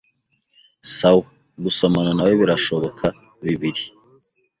Sawa gusomana nawe birashoboka bibiri